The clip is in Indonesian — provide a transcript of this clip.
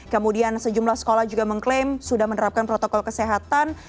kemudian sejumlah sekolah juga mengklaim sudah menerapkan protokol kesehatan